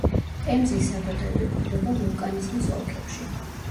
პემზის საბადოები გვხვდება ვულკანიზმის ოლქებში.